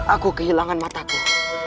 aku kehilangan mataku